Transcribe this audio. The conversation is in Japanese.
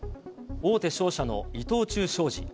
大手商社の伊藤忠商事。